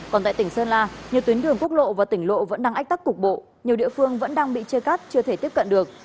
còn tại tỉnh sơn la nhiều tuyến đường quốc lộ và tỉnh lộ vẫn đang ách tắc cục bộ nhiều địa phương vẫn đang bị chia cắt chưa thể tiếp cận được